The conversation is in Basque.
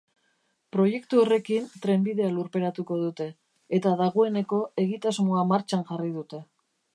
Proiektu horrekin trenbidea lurperatuko dute, eta dagoeneko egitasmoa martxan jarri dute.